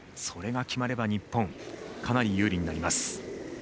それが決まれば日本かなり有利になります。